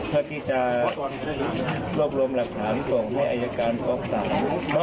เพื่อที่จะรวบรวมหลักฐานส่งให้อัยการฟ้าศาสตร์